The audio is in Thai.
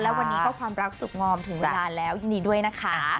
และวันนี้ก็ความรักสุขงอมถึงเวลาแล้วยินดีด้วยนะคะ